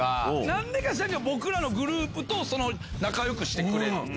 何でか知らんけど僕らのグループと仲良くしてくれて。